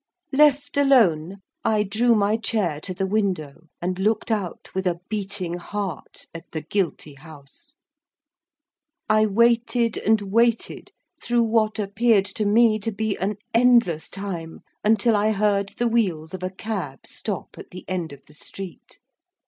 Left alone, I drew my chair to the window; and looked out with a beating heart at the guilty house. I waited and waited through what appeared to me to be an endless time, until I heard the wheels of a cab stop at the end of the street.